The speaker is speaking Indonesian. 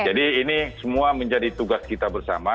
jadi ini semua menjadi tugas kita bersama